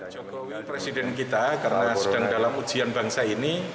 jokowi presiden kita karena sedang dalam ujian bangsa ini